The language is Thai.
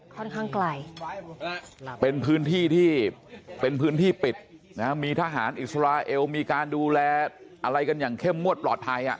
ค่อนข้างไกลเป็นพื้นที่ที่เป็นพื้นที่ปิดมีทหารอิสราเอลมีการดูแลอะไรกันอย่างเข้มงวดปลอดภัย